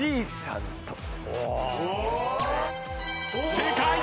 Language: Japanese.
正解！